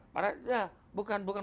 para ya bukan bukan